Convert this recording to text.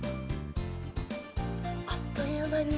あっという間に。